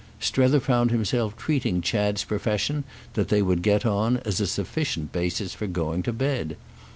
Strether found himself treating Chad's profession that they would get on as a sufficient basis for going to bed.